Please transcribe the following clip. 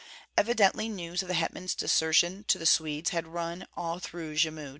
Evidently news of the hetman's desertion to the Swedes had run through all Jmud.